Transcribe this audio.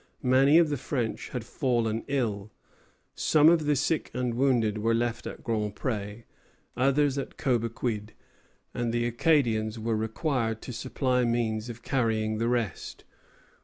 Many of the French had fallen ill. Some of the sick and wounded were left at Grand Pré, others at Cobequid, and the Acadians were required to supply means of carrying the rest.